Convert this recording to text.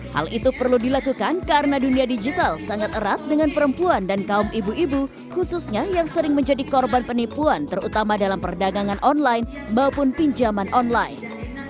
hal itu perlu dilakukan karena dunia digital sangat erat dengan perempuan dan kaum ibu ibu khususnya yang sering menjadi korban penipuan terutama dalam perdagangan online maupun pinjaman online